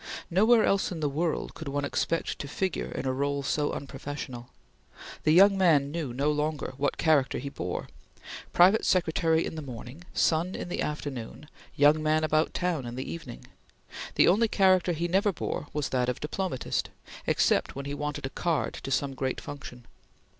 Nowhere else in the world could one expect to figure in a role so unprofessional. The young man knew no longer what character he bore. Private secretary in the morning, son in the afternoon, young man about town in the evening, the only character he never bore was that of diplomatist, except when he wanted a card to some great function.